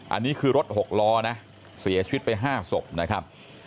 อันนี้คือรถ๖ล้อนะเสียชีวิตไป๕ศพนะครับ